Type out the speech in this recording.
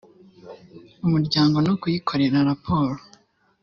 umuryango no kuyikorera raporo